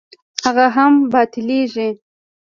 هغه هم باطلېږي.